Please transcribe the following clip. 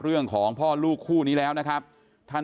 เรื่องของพ่อลูกคู่นี้แล้วนะครับท่าน